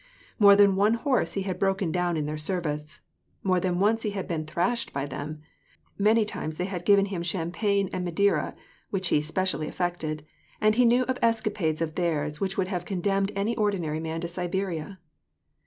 More than one horse he had broken down in their service. More than once he had been thrashed by them ; many times had they given him champagne and Madeira, which he specially affected, and lie knew of escapades of theirs which would have condemned any ordinary man to Siberia.